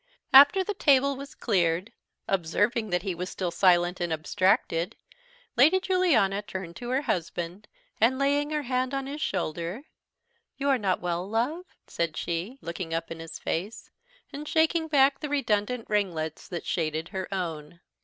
After the table was cleared, observing that he was still silent and abstracted, Lady Juliana turned to her husband, and, laying her hand on his shoulder, "You are not well, love!" said she, looking up in his face, and shaking back the redundant ringlets that shaded her own.